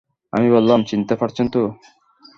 আমি বললাম, চিনতে পারছেন তো?